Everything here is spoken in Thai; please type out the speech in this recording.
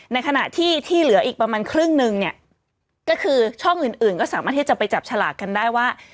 ในขณะที่ที่เหลืออีกประมาณครึ่งนึงเนี่ยก็คือช่องอื่นก็สามารถที่จะไปจับฉลากกันได้ว่า